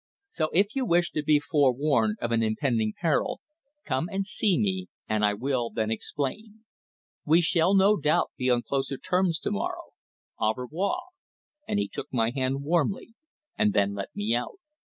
"So if you wish to be forewarned of an impending peril, come and see me and I will then explain. We shall, no doubt, be on closer terms to morrow. Au revoir," and he took my hand warmly and then let me out.